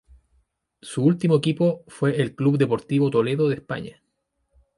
Su último equipo fue el Club Deportivo Toledo de España.